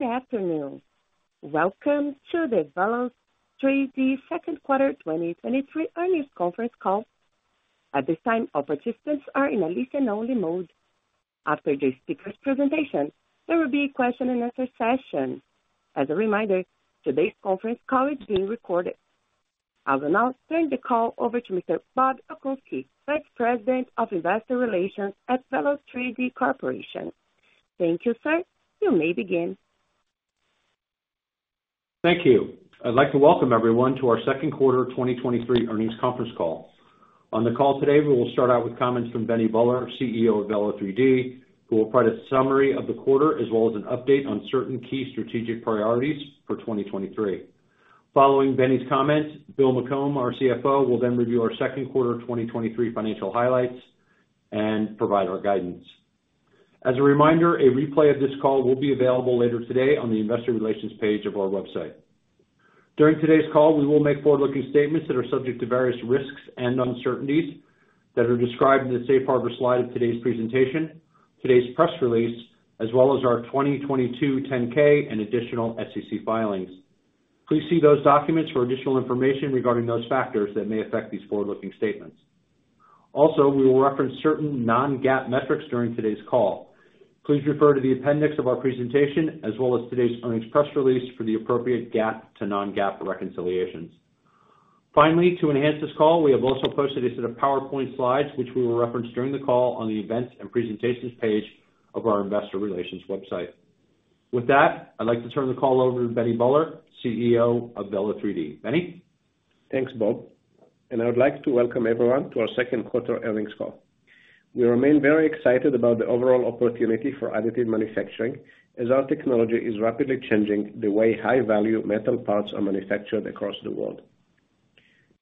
Good afternoon. Welcome to the Velo3D Q2 2023 earnings conference call. At this time, all participants are in a listen-only mode. After the speaker's presentation, there will be a Q&A session. As a reminder, today's conference call is being recorded. I will now turn the call over to Mr. Bob Okunski, Vice President of Investor Relations at Velo3D, Inc. Thank you, sir. You may begin. Thank you. I'd like to welcome everyone to our Q2 2023 earnings conference call. On the call today, we will start out with comments from Benny Buller, Chief Executive Officer of Velo3D, who will provide a summary of the quarter, as well as an update on certain key strategic priorities for 2023. Following Benny's comments, William McCombe, our Chief Financial Officer, will then review our Q2 2023 financial highlights and provide our guidance. As a reminder, a replay of this call will be available later today on the investor relations page of our website. During today's call, we will make forward-looking statements that are subject to various risks and uncertainties that are described in the Safe Harbor slide of today's presentation, today's press release, as well as our 2022 Form 10-K, and additional SEC filings. Please see those documents for additional information regarding those factors that may affect these forward-looking statements. Also, we will reference certain non-GAAP metrics during today's call. Please refer to the appendix of our presentation, as well as today's earnings press release, for the appropriate GAAP to non-GAAP reconciliations. Finally, to enhance this call, we have also posted a set of PowerPoint slides, which we will reference during the call on the Events and Presentations page of our investor relations website. With that, I'd like to turn the call over to Benny Buller, CEO of Velo3D. Benny? Thanks, Bob. I would like to welcome everyone to our Q2 earnings call. We remain very excited about the overall opportunity for additive manufacturing, as our technology is rapidly changing the way high-value metal parts are manufactured across the world.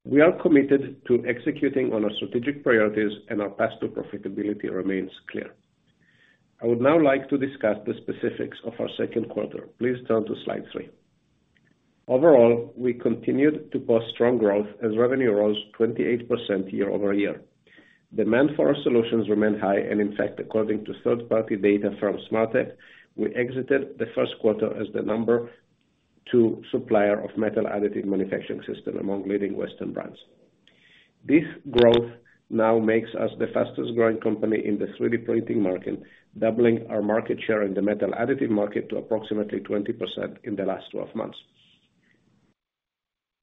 We are committed to executing on our strategic priorities. Our path to profitability remains clear. I would now like to discuss the specifics of our Q2. Please turn to slide 3. Overall, we continued to post strong growth as revenue rose 28% year-over-year. Demand for our solutions remained high. In fact, according to third-party data from SmarTech, we exited the Q1 as the number two supplier of metal additive manufacturing system among leading Western brands. This growth now makes us the fastest growing company in the 3D printing market, doubling our market share in the metal additive market to approximately 20% in the last 12 months.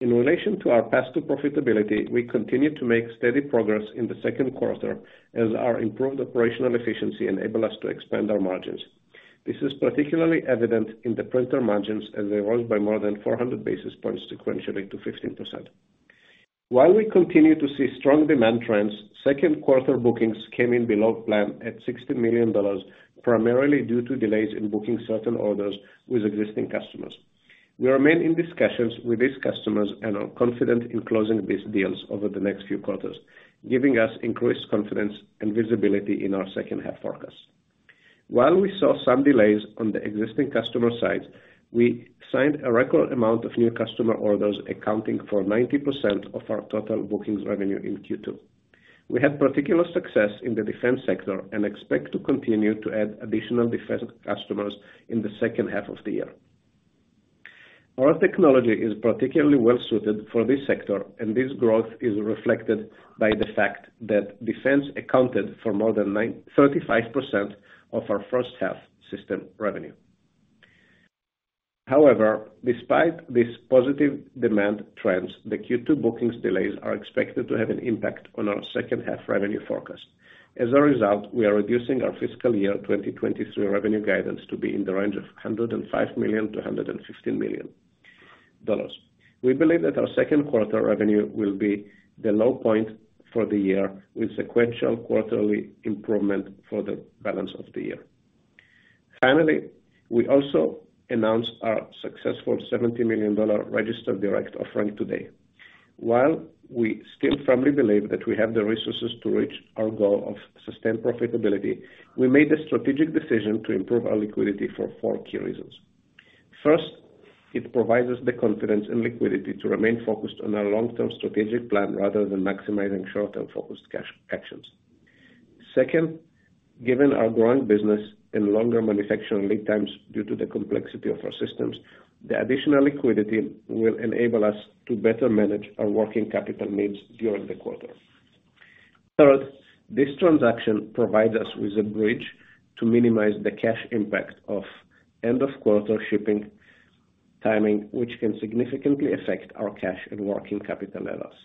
In relation to our path to profitability, we continued to make steady progress in the Q2 as our improved operational efficiency enabled us to expand our margins. This is particularly evident in the printer margins, as they rose by more than 400 basis points sequentially to 15%. While we continue to see strong demand trends, Q2 bookings came in below plan at $60 million, primarily due to delays in booking certain orders with existing customers. We remain in discussions with these customers and are confident in closing these deals over the next few quarters, giving us increased confidence and visibility in our second half forecast. While we saw some delays on the existing customer side, we signed a record amount of new customer orders, accounting for 90% of our total bookings revenue in Q2. We had particular success in the defense sector and expect to continue to add additional defense customers in the second half of the year. Our technology is particularly well suited for this sector, and this growth is reflected by the fact that defense accounted for more than 35% of our first half system revenue. However, despite these positive demand trends, the Q2 bookings delays are expected to have an impact on our second half revenue forecast. As a result, we are reducing our fiscal year 2023 revenue guidance to be in th`e range of $105 million-$150 million. We believe that our Q2 revenue will be the low point for the year, with sequential quarterly improvement for the balance of the year. Finally, we also announced our successful $70 million registered direct offering today. While we still firmly believe that we have the resources to reach our goal of sustained profitability, we made a strategic decision to improve our liquidity for four key reasons. First, it provides us the confidence and liquidity to remain focused on our long-term strategic plan rather than maximizing short-term focused cash actions. Second, given our growing business and longer manufacturing lead times due to the complexity of our systems, the additional liquidity will enable us to better manage our working capital needs during the quarter. Third, this transaction provides us with a bridge to minimize the cash impact of end-of-quarter shipping timing, which can significantly affect our cash and working capital levels.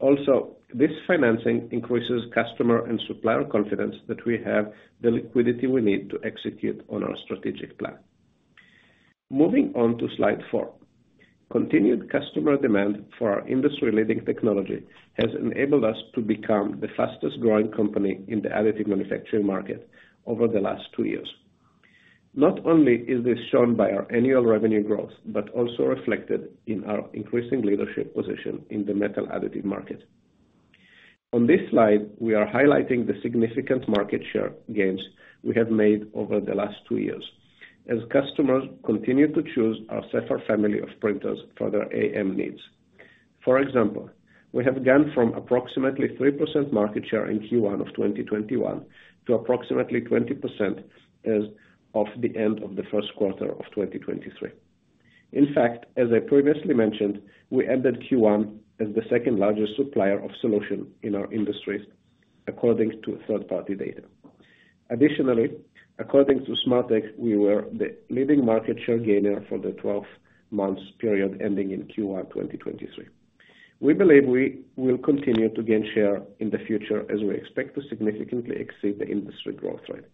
Also, this financing increases customer and supplier confidence that we have the liquidity we need to execute on our strategic plan. Moving on to slide four. Continued customer demand for our industry-leading technology has enabled us to become the fastest growing company in the additive manufacturing market over the last two years. Not only is this shown by our annual revenue growth, but also reflected in our increasing leadership position in the metal additive market. On this slide, we are highlighting the significant market share gains we have made over the last two years, as customers continue to choose our Sapphire family of printers for their AM needs. For example, we have gone from approximately 3% market share in Q1 of 2021, to approximately 20% as of the end of the Q1 of 2023. In fact, as I previously mentioned, we ended Q1 as the second largest supplier of solution in our industry, according to third-party data. Additionally, according to SmarTech, we were the leading market share gainer for the 12-month period ending in Q1, 2023. We believe we will continue to gain share in the future, as we expect to significantly exceed the industry growth rate.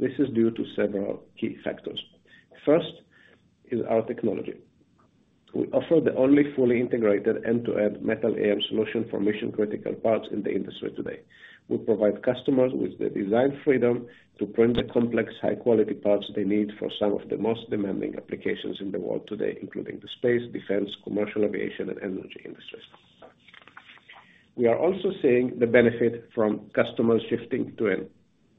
This is due to several key factors. First, is our technology. We offer the only fully integrated end-to-end metal AM solution for mission-critical parts in the industry today. We provide customers with the design freedom to print the complex, high-quality parts they need for some of the most demanding applications in the world today, including the space, defense, commercial aviation, and energy industries. We are also seeing the benefit from customers shifting to an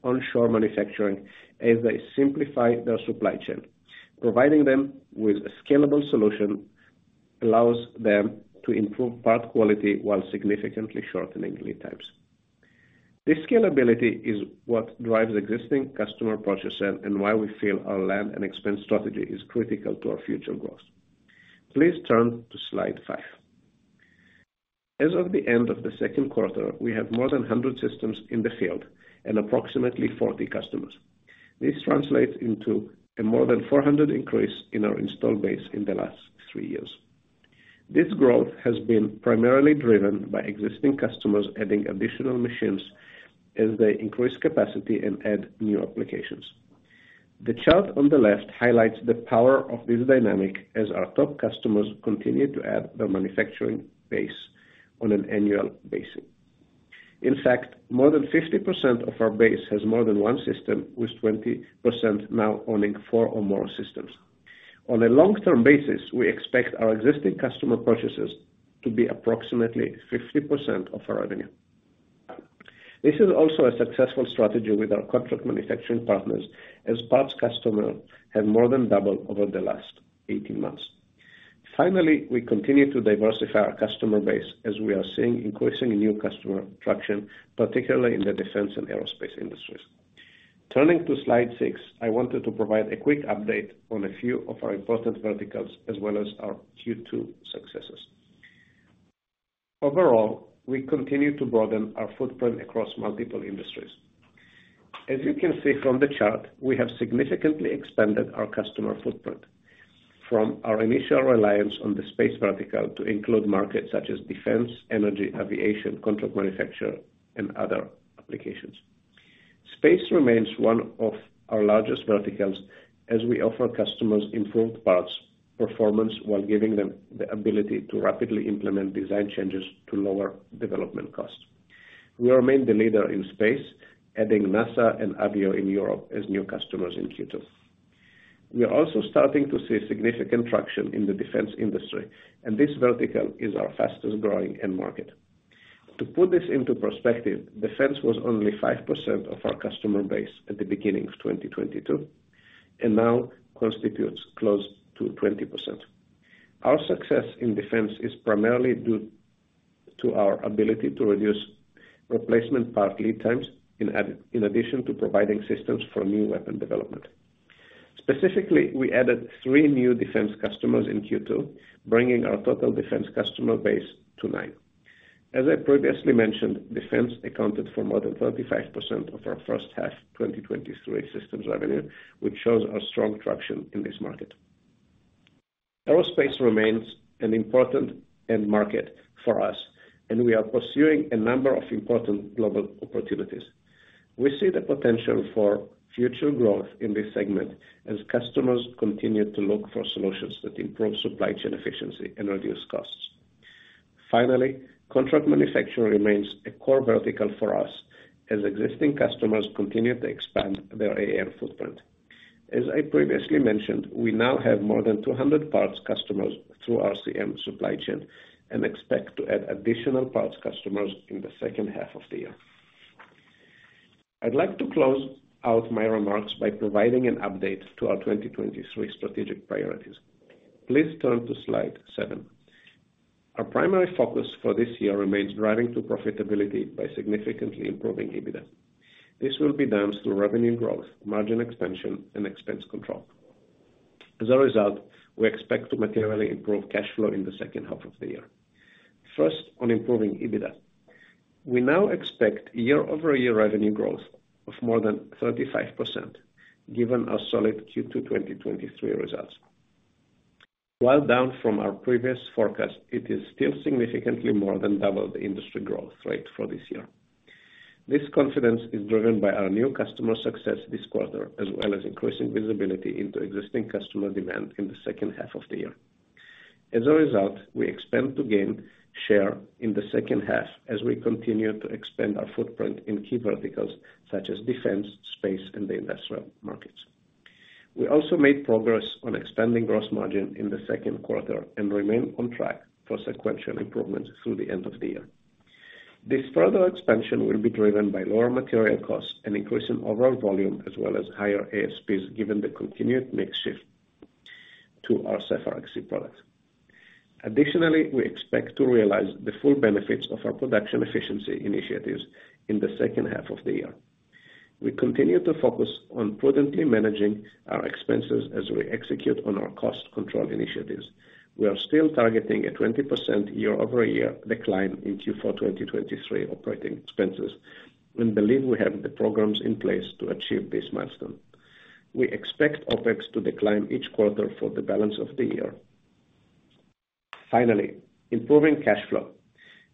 onshore manufacturing as they simplify their supply chain. Providing them with a scalable solution, allows them to improve part quality while significantly shortening lead times. This scalability is what drives existing customer purchases, and why we feel our land and expand strategy is critical to our future growth. Please turn to slide five. As of the end of the Q2, we have more than 100 systems in the field and approximately 40 customers. This translates into a more than 400 increase in our install base in the last 3 years. This growth has been primarily driven by existing customers adding additional machines as they increase capacity and add new applications. The chart on the left highlights the power of this dynamic, as our top customers continue to add their manufacturing base on an annual basis. In fact, more than 50% of our base has more than one system, with 20% now owning four or more systems. On a long-term basis, we expect our existing customer purchases to be approximately 50% of our revenue. This is also a successful strategy with our contract manufacturing partners, as parts customer have more than doubled over the last 18 months. Finally, we continue to diversify our customer base as we are seeing increasing new customer traction, particularly in the defense and aerospace industries. Turning to slide six, I wanted to provide a quick update on a few of our important verticals, as well as our Q2 successes. Overall, we continue to broaden our footprint across multiple industries. As you can see from the chart, we have significantly expanded our customer footprint from our initial reliance on the space vertical to include markets such as defense, energy, aviation, contract manufacture, and other applications. Space remains one of our largest verticals, as we offer customers improved parts performance, while giving them the ability to rapidly implement design changes to lower development costs. We remain the leader in space, adding NASA and Avio in Europe as new customers in Q2. We are also starting to see significant traction in the defense industry, and this vertical is our fastest growing end market. To put this into perspective, defense was only 5% of our customer base at the beginning of 2022. Now constitutes close to 20%. Our success in defense is primarily due to our ability to reduce replacement part lead times, in addition to providing systems for new weapon development. Specifically, we added three new defense customers in Q2, bringing our total defense customer base to nine. As I previously mentioned, defense accounted for more than 35% of our first half, 2023 systems revenue, which shows our strong traction in this market. Aerospace remains an important end market for us. We are pursuing a number of important global opportunities. We see the potential for future growth in this segment, as customers continue to look for solutions that improve supply chain efficiency and reduce costs. Contract manufacturing remains a core vertical for us, as existing customers continue to expand their AM footprint. As I previously mentioned, we now have more than 200 parts customers through our CM supply chain, and expect to add additional parts customers in the second half of the year. I'd like to close out my remarks by providing an update to our 2023 strategic priorities. Please turn to slide seven. Our primary focus for this year remains driving to profitability by significantly improving EBITDA. This will be done through revenue growth, margin expansion, and expense control. As a result, we expect to materially improve cash flow in the second half of the year. First, on improving EBITDA. We now expect year-over-year revenue growth of more than 35%, given our solid Q2 2023 results. While down from our previous forecast, it is still significantly more than double the industry growth rate for this year. This confidence is driven by our new customer success this quarter, as well as increasing visibility into existing customer demand in the second half of the year. As a result, we expect to gain share in the 2nd half as we continue to expand our footprint in key verticals such as defense, space, and the industrial markets. We also made progress on expanding gross margin in the second quarter and remain on track for sequential improvements through the end of the year. This further expansion will be driven by lower material costs and increasing overall volume, as well as higher ASP, given the continued mix shift to our Sapphire XC product. Additionally, we expect to realize the full benefits of our production efficiency initiatives in the second half of the year. We continue to focus on prudently managing our expenses as we execute on our cost control initiatives. We are still targeting a 20% year-over-year decline in Q4 2023 operating expenses. We believe we have the programs in place to achieve this milestone. We expect OpEx to decline each quarter for the balance of the year. Finally, improving cash flow.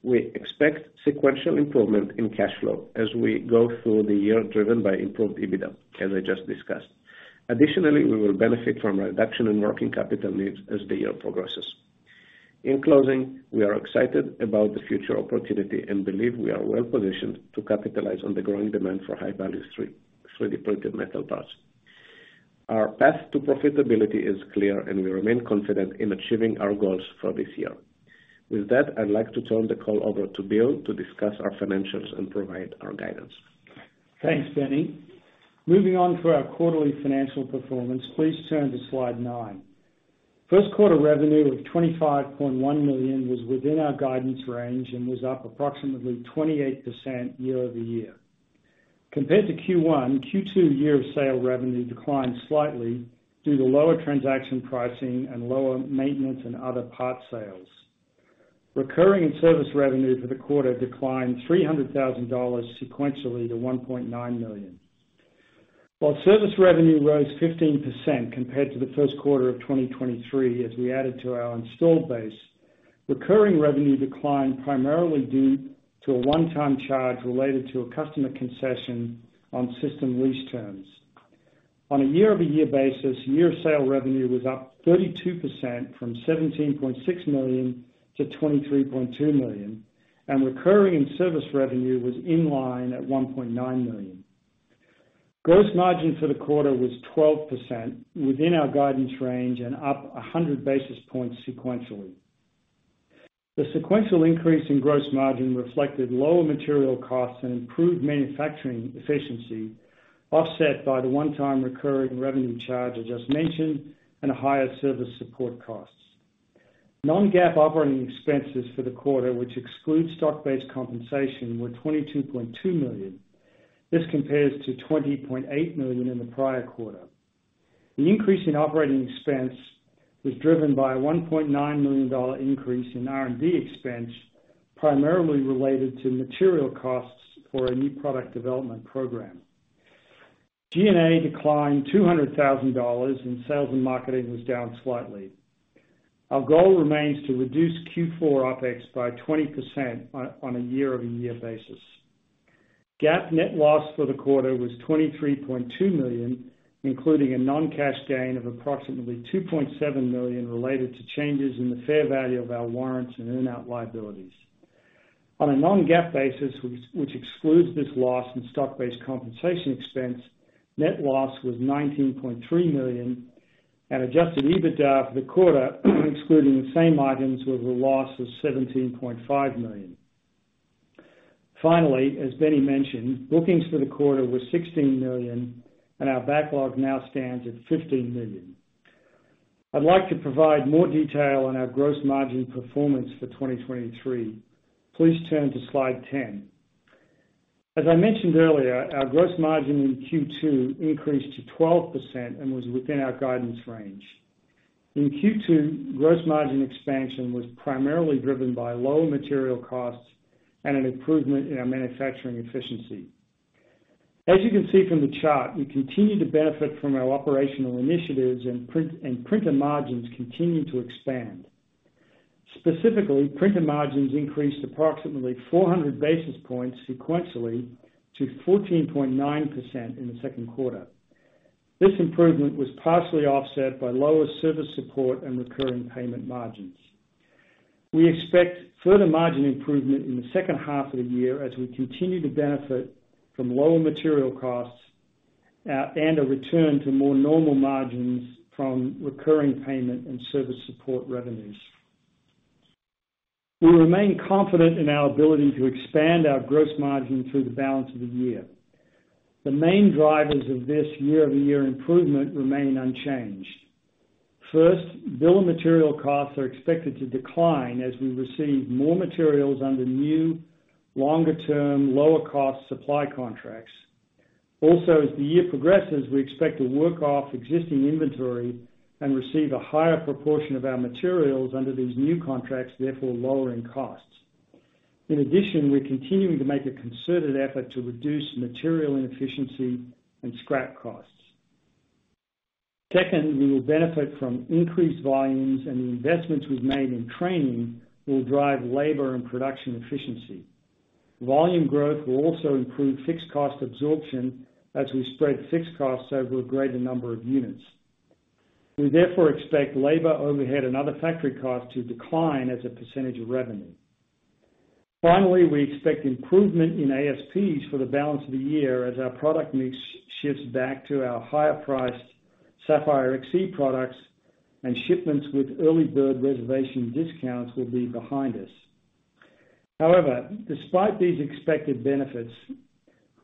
We expect sequential improvement in cash flow as we go through the year, driven by improved EBITDA, as I just discussed. Additionally, we will benefit from a reduction in working capital needs as the year progresses. In closing, we are excited about the future opportunity and believe we are well positioned to capitalize on the growing demand for high-value 3D printed metal parts. Our path to profitability is clear, and we remain confident in achieving our goals for this year. With that, I'd like to turn the call over to Bill to discuss our financials and provide our guidance. Thanks, Benny. Moving on to our quarterly financial performance, please turn to slide nine. Q1 revenue of $25.1 million was within our guidance range and was up approximately 28% year-over-year. Compared to Q1, Q2 year-of-sale revenue declined slightly due to lower transaction pricing and lower maintenance and other part sales. Recurring and service revenue for the quarter declined $300,000 sequentially to $1.9 million. While service revenue rose 15% compared to the Q1 of 2023, as we added to our installed base, recurring revenue declined primarily due to a one-time charge related to a customer concession on system lease terms. On a year-over-year basis, year of sale revenue was up 32% from $17.6 million-$23.2 million, and recurring and service revenue was in line at $1.9 million. Gross margin for the quarter was 12%, within our guidance range and up 100 basis points sequentially. The sequential increase in gross margin reflected lower material costs and improved manufacturing efficiency, offset by the one-time recurring revenue charge I just mentioned and a higher service support costs. Non-GAAP operating expenses for the quarter, which excludes stock-based compensation, were $22.2 million. This compares to $20.8 million in the prior quarter. The increase in operating expense was driven by a $1.9 million increase in R&D expense, primarily related to material costs for a new product development program. G&A declined $200,000, and sales and marketing was down slightly. Our goal remains to reduce Q4 OpEx by 20% on a year-over-year basis. GAAP net loss for the quarter was $23.2 million, including a non-cash gain of approximately $2.7 million related to changes in the fair value of our warrants and earn-out liabilities. On a non-GAAP basis, which excludes this loss in stock-based compensation expense, net loss was $19.3 million. Adjusted EBITDA for the quarter, excluding the same items, was a loss of $17.5 million. Finally, as Benny mentioned, bookings for the quarter were $16 million. Our backlog now stands at $15 million. I'd like to provide more detail on our gross margin performance for 2023. Please turn to slide 10. As I mentioned earlier, our gross margin in Q2 increased to 12%. Was within our guidance range. In Q2, gross margin expansion was primarily driven by lower material costs and an improvement in our manufacturing efficiency. As you can see from the chart, we continue to benefit from our operational initiatives, and printer margins continue to expand. Specifically, printer margins increased approximately 400 basis points sequentially to 14.9% in the Q2. This improvement was partially offset by lower service support and recurring payment margins. We expect further margin improvement in the second half of the year as we continue to benefit from lower material costs, and a return to more normal margins from recurring payment and service support revenues. We remain confident in our ability to expand our gross margin through the balance of the year. The main drivers of this year-over-year improvement remain unchanged. First, bill of materials costs are expected to decline as we receive more materials under new, longer-term, lower-cost supply contracts. Also, as the year progresses, we expect to work off existing inventory and receive a higher proportion of our materials under these new contracts, therefore lowering costs. In addition, we're continuing to make a concerted effort to reduce material inefficiency and scrap costs. Second, we will benefit from increased volumes, and the investments we've made in training will drive labor and production efficiency. Volume growth will also improve fixed cost absorption as we spread fixed costs over a greater number of units. We therefore expect labor, overhead, and other factory costs to decline as a percentage of revenue. Finally, we expect improvement in ASP for the balance of the year as our product mix shifts back to our higher-priced Sapphire XC products and shipments with early bird reservation discounts will be behind us. However, despite these expected benefits,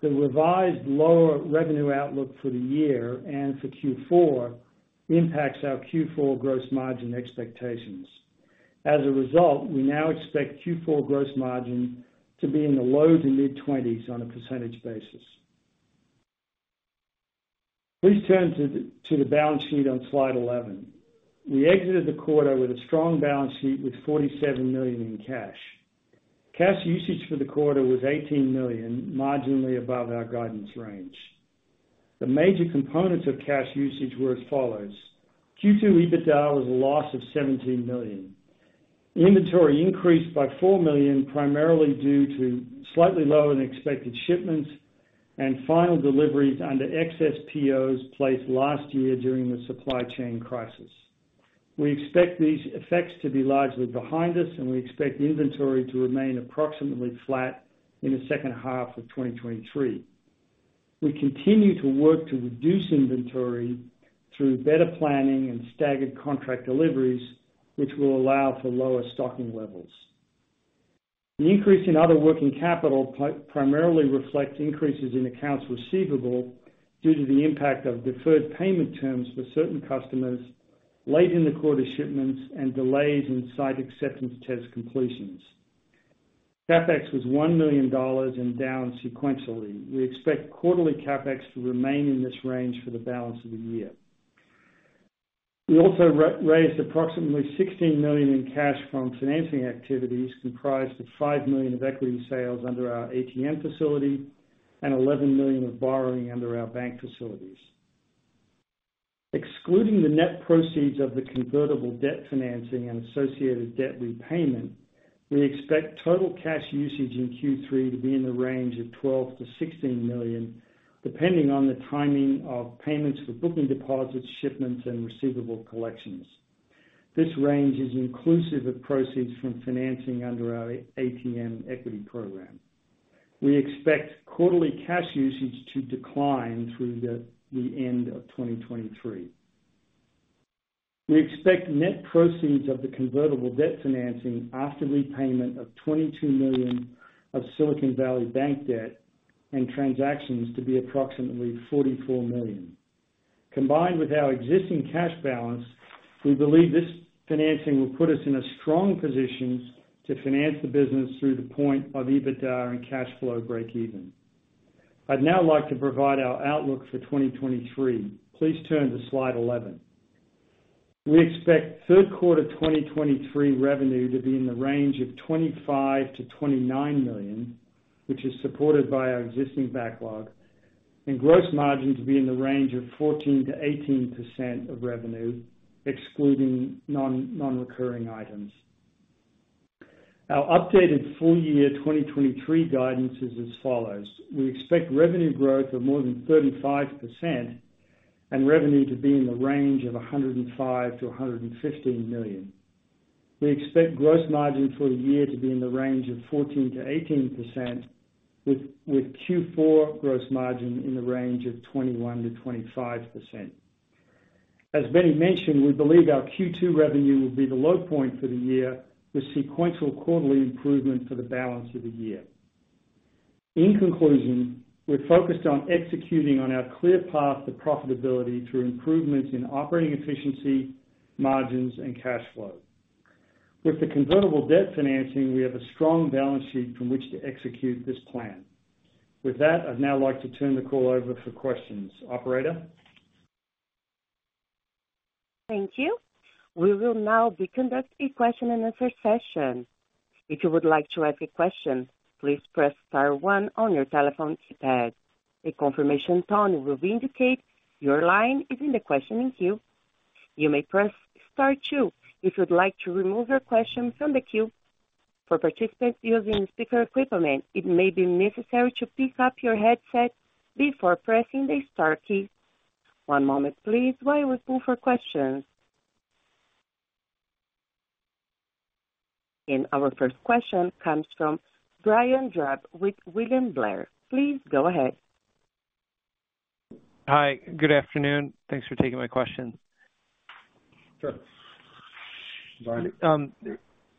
the revised lower revenue outlook for the year and for Q4 impacts our Q4 gross margin expectations. As a result, we now expect Q4 gross margin to be in the low to mid-20s on a percent basis. Please turn to the balance sheet on slide 11. We exited the quarter with a strong balance sheet with $47 million in cash. Cash usage for the quarter was $18 million, marginally above our guidance range. The major components of cash usage were as follows: Q2 EBITDA was a loss of $17 million. Inventory increased by $4 million, primarily due to slightly lower than expected shipments and final deliveries under excess POs placed last year during the supply chain crisis. We expect these effects to be largely behind us, and we expect inventory to remain approximately flat in the second half of 2023. We continue to work to reduce inventory through better planning and staggered contract deliveries, which will allow for lower stocking levels. The increase in other working capital primarily reflects increases in accounts receivable due to the impact of deferred payment terms with certain customers, late in the quarter shipments, and delays in site acceptance test completions. CapEx was $1 million and down sequentially. We expect quarterly CapEx to remain in this range for the balance of the year. We also raised approximately $16 million in cash from financing activities, comprised of $5 million of equity sales under our ATM facility and $11 million of borrowing under our bank facilities. Excluding the net proceeds of the convertible debt financing and associated debt repayment, we expect total cash usage in Q3 to be in the range of $12 million-$16 million, depending on the timing of payments for booking deposits, shipments, and receivable collections. This range is inclusive of proceeds from financing under our ATM equity program. We expect quarterly cash usage to decline through the end of 2023. We expect net proceeds of the convertible debt financing after repayment of $22 million of Silicon Valley Bank debt and transactions to be approximately $44 million. Combined with our existing cash balance, we believe this financing will put us in a strong position to finance the business through the point of EBITDA and cash flow breakeven. I'd now like to provide our outlook for 2023. Please turn to slide 11. We expect Q3 2023 revenue to be in the range of $25 million-$29 million, which is supported by our existing backlog, and gross margin to be in the range of 14%-18% of revenue, excluding non-recurring items. Our updated full year 2023 guidance is as follows: we expect revenue growth of more than 35% and revenue to be in the range of $105 million-$115 million. We expect gross margin for the year to be in the range of 14%-18%, with Q4 gross margin in the range of 21%-25%. As Benny mentioned, we believe our Q2 revenue will be the low point for the year, with sequential quarterly improvement for the balance of the year. In conclusion, we're focused on executing on our clear path to profitability through improvements in operating efficiency, margins, and cash flow. With the convertible debt financing, we have a strong balance sheet from which to execute this plan. With that, I'd now like to turn the call over for questions. Operator? Thank you. We will now be conducting a Q&A session. If you would like to ask a question, please press star one on your telephone keypad. A confirmation tone will indicate your line is in the questioning queue. You may press star two if you'd like to remove your question from the queue. For participants using speaker equipment, it may be necessary to pick up your headset before pressing the star key. One moment please, while we pull for questions. Our first question comes from Brian Drab with William Blair. Please go ahead. Hi, good afternoon. Thanks for taking my questions. Sure, Brian.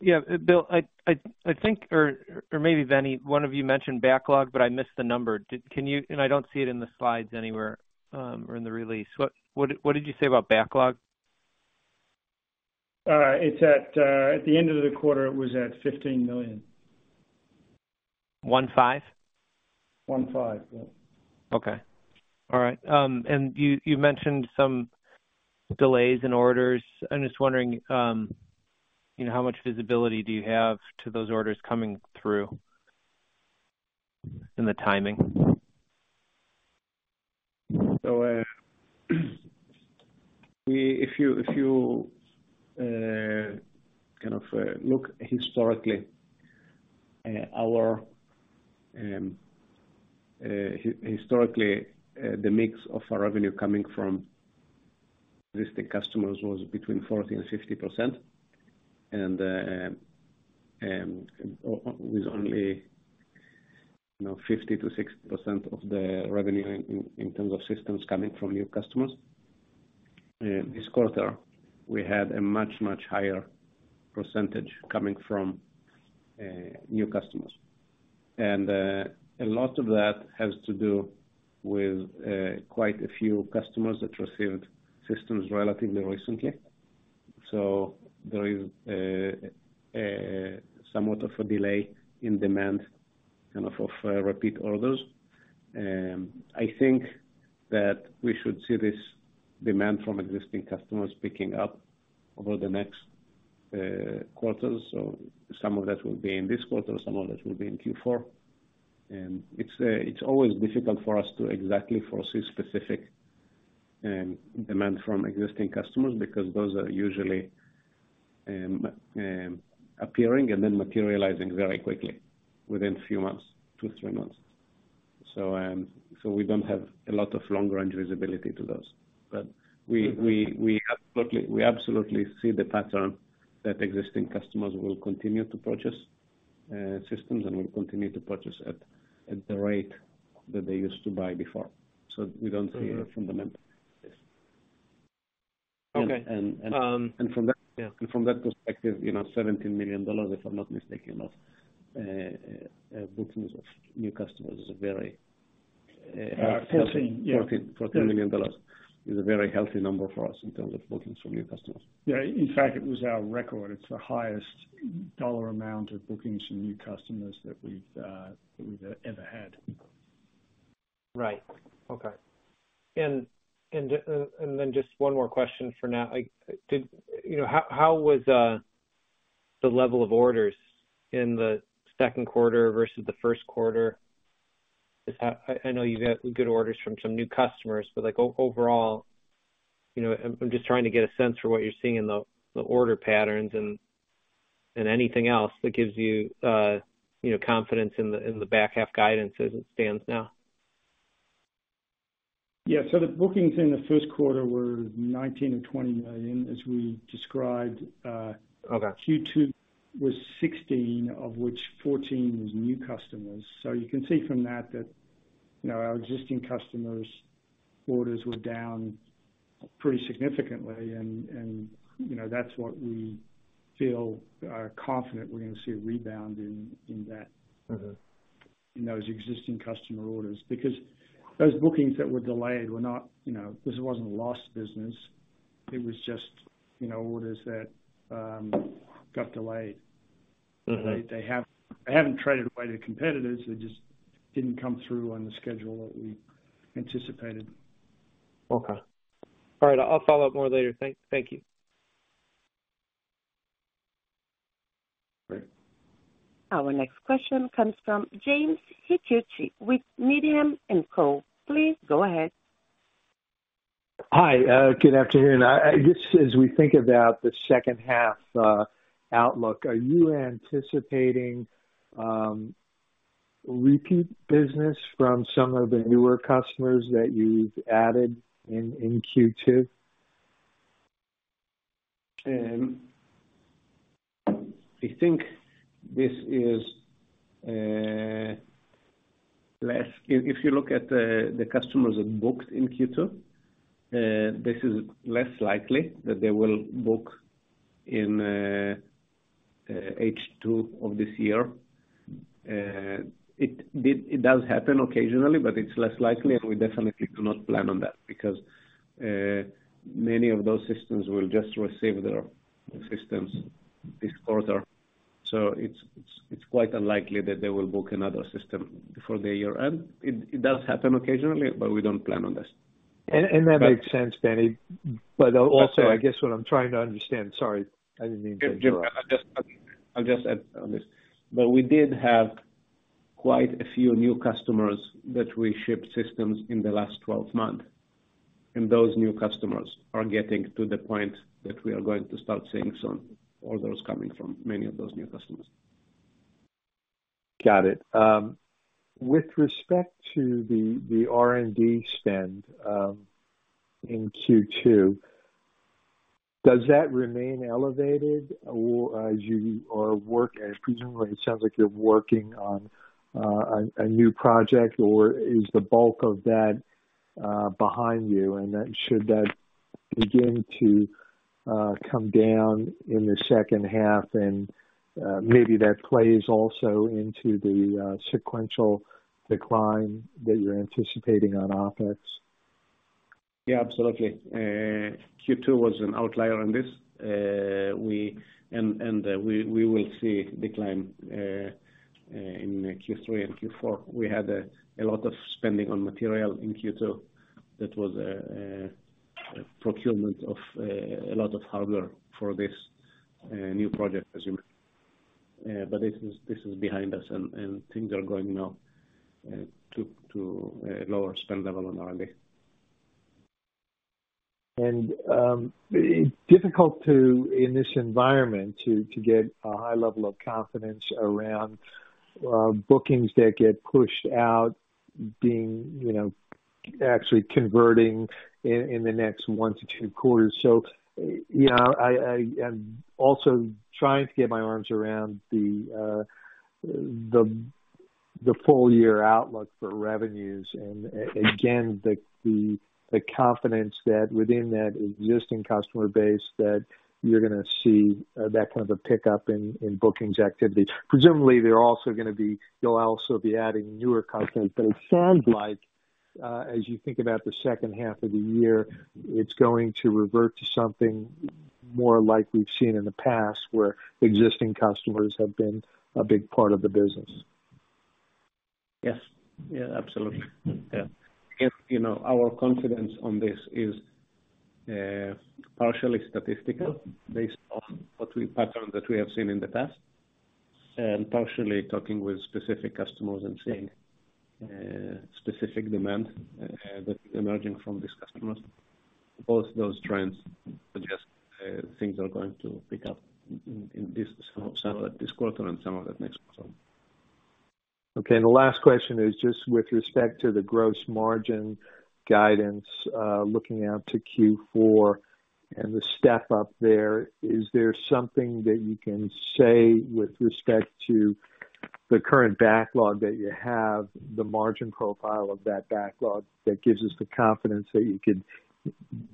Yeah, Bill, I, think, or maybe Veni, one of you mentioned backlog, but I missed the number. Can you—I don't see it in the slides anywhere, or in the release. What did you say about backlog? It's at the end of the quarter, it was at $15 million. $15 million? $15 million, yeah. Okay. All right, and you, you mentioned some delays in orders. I'm just wondering, you know, how much visibility do you have to those orders coming through, and the timing? If you kind of, look historically, our, historically, the mix of our revenue coming from existing customers was between 40% and 50%, and, you know, 50%-60% of the revenue in, in terms of systems coming from new customers. This quarter, we had a much, much higher percentage coming from new customers. A lot of that has to do with quite a few customers that received systems relatively recently. There is somewhat of a delay in demand, kind of, repeat orders. I think that we should see this demand from existing customers picking up over the next quarters. Some of that will be in this quarter, some of that will be in Q4. It's always difficult for us to exactly foresee specific demand from existing customers, because those are usually appearing and then materializing very quickly within few months, two to three monthss. We don't have a lot of longer range visibility to those. We absolutely see the pattern that existing customers will continue to purchase systems and will continue to purchase at, at the rate that they used to buy before. We don't see a fundamental risk. Okay. From that- Yeah. From that perspective, you know, $17 million, if I'm not mistaken, of bookings of new customers, is a very. $14 million? $14 million, is a very healthy number for us in terms of bookings from new customers. Yeah. In fact, it was our record. It's the highest dollar amount of bookings from new customers that we've ever had. Right. Okay. Then just one more question for now. You know, how, how was the level of orders in the Q2 versus the Q1? I, I know you got good orders from some new customers, but, like, overall, you know, I'm, I'm just trying to get a sense for what you're seeing in the, the order patterns and, and anything else that gives you, you know, confidence in the, in the back half guidance as it stands now. Yeah. The bookings in the Q1 were $19 million or $20 million, as we described. Okay. Q2 was 16, of which 14 was new customers. You can see from that, you know, our existing customers' orders were down pretty significantly. You know, that's what we feel confident we're going to see a rebound in that. In those existing customer orders. Those bookings that were delayed were not, you know, this wasn't a lost business. It was just, you know, orders that got delayed. They haven't traded away to competitors. They just didn't come through on the schedule that we anticipated. Okay. All right, I'll follow up more later. Thank you. Great. Our next question comes from James Hitchcock with Needham & Company. Please go ahead. Hi, good afternoon. Just as we think about the second half outlook, are you anticipating repeat business from some of the newer customers that you've added in Q2? I think this is less. If you look at the, the customers that booked in Q2, this is less likely that they will book in H2 of this year. It does happen occasionally, but it's less likely, and we definitely do not plan on that, because many of those systems will just receive their systems this quarter. It's quite unlikely that they will book another system before the year end. It, it does happen occasionally, but we don't plan on this. That makes sense, Benny. Also, I guess what I'm trying to understand. Sorry, I didn't mean to interrupt. I'll just add on this. We did have quite a few new customers that we shipped systems in the last 12 months, and those new customers are getting to the point that we are going to start seeing some orders coming from many of those new customers. Got it. With respect to the R&D spend, in Q2, does that remain elevated as you are presumably, it sounds like you're working on a new project, or is the bulk of that behind you? Then should that begin to come down in the second half, and maybe that plays also into the sequential decline that you're anticipating on OpEx? Yeah, absolutely. Q2 was an outlier on this. We will see decline in Q3 and Q4. We had a lot of spending on material in Q2. That was a procurement of a lot of hardware for this new project, presumably. This is behind us, and things are going now to a lower spend level on R&D. It's difficult to, in this environment, to, to get a high level of confidence around bookings that get pushed out being, you know, actually converting in the next one to two quarters. You know, I, I am also trying to get my arms around the full year outlook for revenues, and again, the, the, the confidence that within that existing customer base, that you're gonna see that kind of a pickup in bookings activity. Presumably, you'll also be adding newer customers. It sounds like, as you think about the second half of the year, it's going to revert to something more like we've seen in the past, where existing customers have been a big part of the business. Yes. Yeah, absolutely. Yeah. Again, you know, our confidence on this is partially statistical, based on what we, patterns that we have seen in the past, and partially talking with specific customers and seeing specific demand that emerging from these customers. Both those trends suggest things are going to pick up in this, some, some of this quarter and some of it next quarter. Okay, the last question is just with respect to the gross margin guidance, looking out to Q4 and the step up there, is there something that you can say with respect to the current backlog that you have, the margin profile of that backlog, that gives us the confidence that you can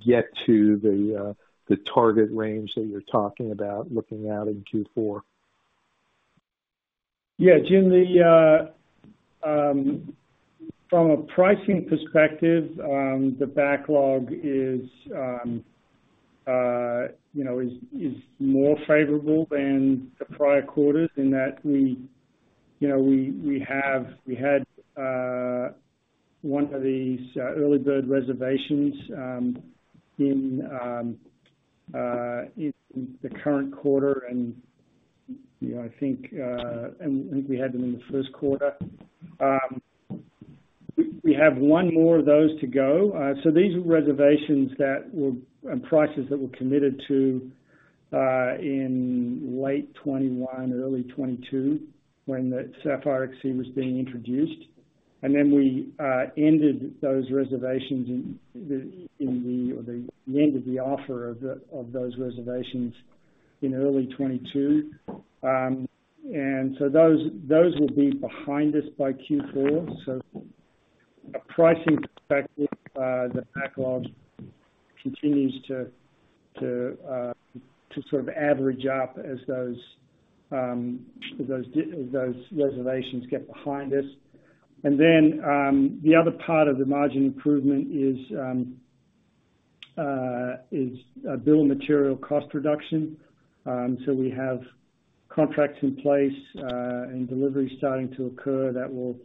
get to the, the target range that you're talking about looking out in Q4? Yeah, Jim, the, from a pricing perspective, the backlog is, you know, is, is more favorable than the prior quarters in that we, you know, we had one of these early bird reservations in the current quarter, and, you know, I think, and I think we had them in the Q1. We have one more of those to go. So these are reservations that were, and prices that were committed to, in late 2021, early 2022, when the Sapphire XC was being introduced. Then we ended those reservations in, or the, we ended the offer of the, of those reservations in early 2022. So those, those will be behind us by Q4. From a pricing perspective, the backlog continues to, to sort of average up as those as those reservations get behind us. The other part of the margin improvement is bill of materials cost reduction. We have contracts in place and deliveries starting to occur that will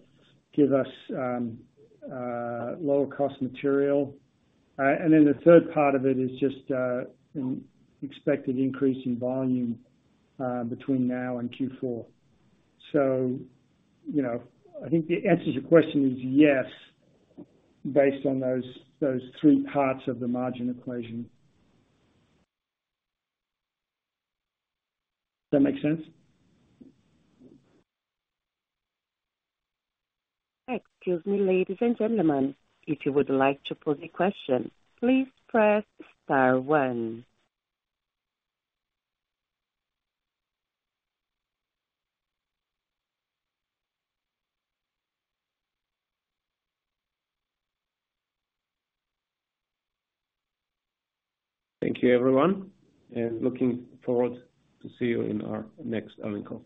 give us lower cost material. The third part of it is just an expected increase in volume between now and Q4. You know, I think the answer to your question is yes, based on those, those three parts of the margin equation. Does that make sense? Excuse me, ladies and gentlemen. If you would like to pose a question, please press star one. Thank you, everyone, and looking forward to see you in our next earnings call.